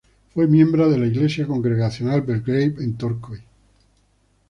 Fue miembro de la Iglesia congregacional Belgrave, en Torquay.